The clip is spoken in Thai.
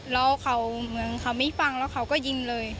แล้วเขาเหมือนเขาไม่ฟังแล้วเขาก็ยิงเลย